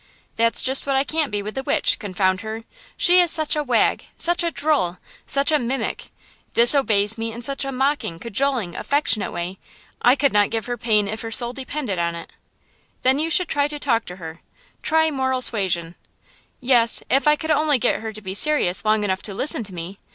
"That's just what I can't be with the witch, confound her! she is such a wag, such a drole, such a mimic; disobeys me in such a mocking, cajoling, affectionate way. I could not give her pain if her soul depended on it!" "Then you should talk to her; try moral suasion." "Yes; if I could only get her to be serious long enough to listen to me!